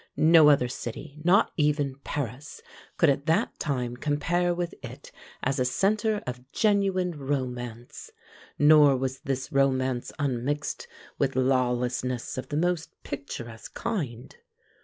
No other city, not even Paris, could at that time compare with it as a center of genuine romance, nor was this romance unmixed with lawlessness of the most picturesque kind.